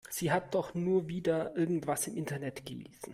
Sie hat doch nur wieder irgendwas im Internet gelesen.